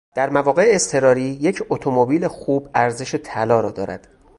در مواقع اضطراری یک اتومبیل خوب ارزش طلا را دارد.